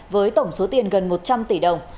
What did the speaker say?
với tổng số tiền gần một trăm linh tỷ đồng